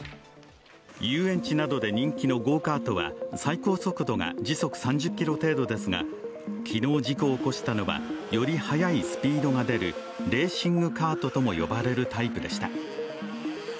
遊園地などで人気のゴーカートは最高速度が時速３０キロ程度ですが、昨日事故を起こしたのはより速いスピードが出るレーシングカートとも呼ばれるタイプでした。